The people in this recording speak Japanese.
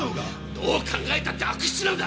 どう考えたって悪質なんだ！